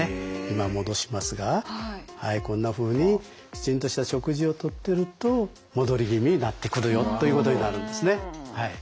今戻しますがはいこんなふうにきちんとした食事をとってると戻り気味になってくるよということになるんですね。